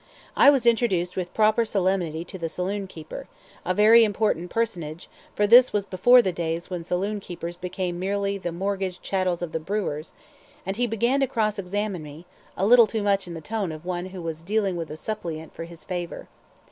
I was introduced with proper solemnity to the saloon keeper a very important personage, for this was before the days when saloon keepers became merely the mortgaged chattels of the brewers and he began to cross examine me, a little too much in the tone of one who was dealing with a suppliant for his favor.